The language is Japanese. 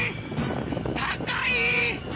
高い！